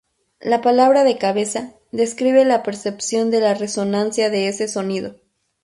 La palabra "de cabeza" describe la percepción de la resonancia de ese sonido.